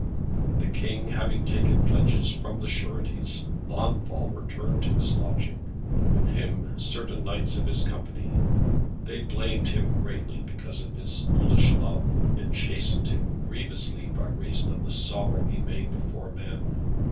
The King having taken pledges from the sureties, Launfal returned to his lodging, and with him certain knights of his company. They blamed him greatly because of his foolish love, and chastened him grievously by reason of the sorrow he made before men.